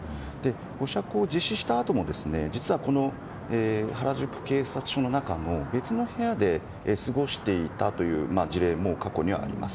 保釈を実施したあとも原宿警察署の中の別の部屋で過ごしていたという事例も過去にはあります。